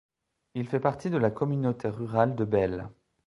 Il fait partie de la communauté rurale de Belle.